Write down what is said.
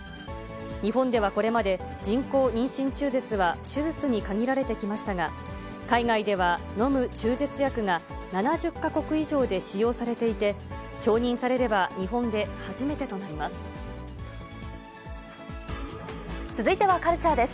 日本ではこれまで、人工妊娠中絶は手術に限られてきましたが、海外では飲む中絶薬が７０か国以上で使用されていて、承認されれ続いてはカルチャーです。